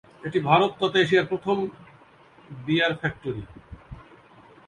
এটি ভারত তথা এশিয়ার প্রথম বিয়ার ফ্যাক্টরি।